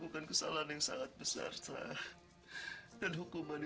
kalian udah makan